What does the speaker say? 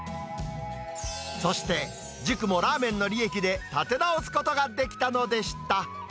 そして、塾もラーメンの利益で立て直すことができたのでした。